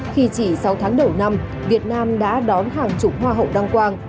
khi chỉ sáu tháng đầu năm việt nam đã đón hàng chục hoa hậu đăng quang